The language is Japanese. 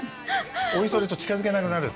おいそれと近づけなくなるっていうね。